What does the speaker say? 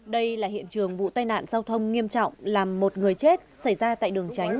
đây là hiện trường vụ tai nạn giao thông nghiêm trọng làm một người chết xảy ra tại đường tránh